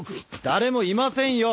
誰もいませんよ！